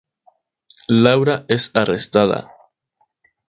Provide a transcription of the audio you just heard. Laura es arrestada.